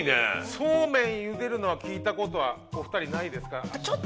「そうめんゆでるな」は聞いた事はお二人ないですか？